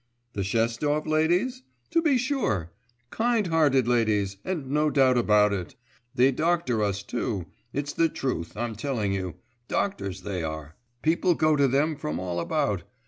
'The Shestov ladies? To be sure! Kind hearted ladies, and no doubt about it! They doctor us too. It's the truth I'm telling you. Doctors they are! People go to them from all about.